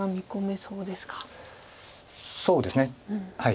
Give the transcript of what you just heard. そうですねはい。